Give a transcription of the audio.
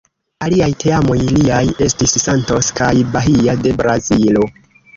Aliaj teamoj liaj estis Santos kaj Bahia de Brazilo.